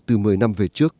từ một mươi chín năm